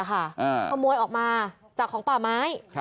ขโมยออกมาจากของป่าไม้